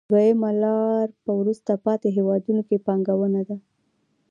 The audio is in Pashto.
دویمه لار په وروسته پاتې هېوادونو کې پانګونه ده